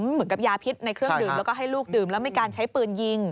เหมือนกับยาพิษในเครื่องดื่มแล้วก็ให้ลูกดื่มแล้วมีการใช้ปืนยิง